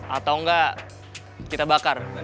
atau enggak kita bakar